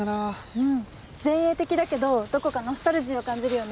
うん前衛的だけどどこかノスタルジーを感じるよね。